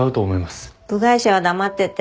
部外者は黙ってて。